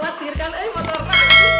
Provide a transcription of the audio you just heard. pastirkan aja motor saya